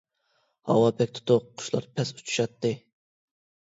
ھاۋا بەك تۇتۇق، قۇشلار پەس ئۇچۇشاتتى.